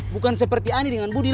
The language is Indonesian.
bukan seperti ani dengan budi